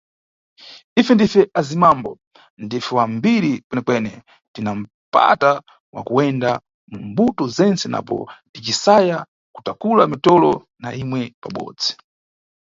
Ife ndife azimambo, ndife wa mbiri kwene-kwene tina mpata wa kuyenda mu mbuto zentse napo ticisaya kutakula mitolo na imwe pabobzi!